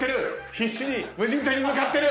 必死に無人島に向かってる！